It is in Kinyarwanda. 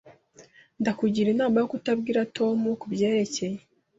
Ndakugira inama yo kutabwira Tom kubyerekeye.